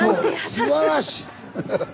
すばらしい！